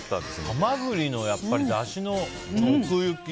ハマグリのだしの奥行き